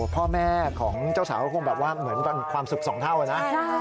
พ่อแม่ของเจ้าสาวก็คงแบบว่าเหมือนความสุขสองเท่านะ